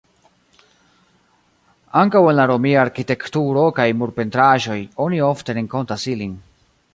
Ankaŭ en la romia arkitekturo kaj murpentraĵoj oni ofte renkontas ilin.